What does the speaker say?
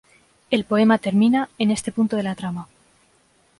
El poema termina en este punto de la trama.